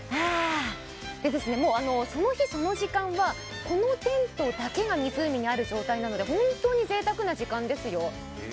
その日その時間はこのテントだけが湖にある状態なので本当にぜいたくな時間ですよ。